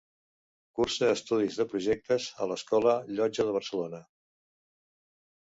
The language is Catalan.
Cursa estudis de projectes a l'Escola Llotja de Barcelona.